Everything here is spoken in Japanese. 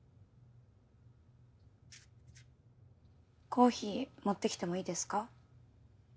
コーヒー持ってきてもいいですか？